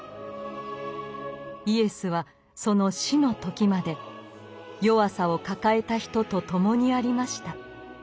イエスはその死の時まで弱さを抱えた人と共にありました。